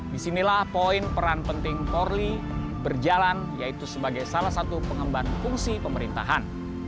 disinilah poin peran penting polri berjalan yaitu sebagai salah satu pengemban fungsi pemerintahan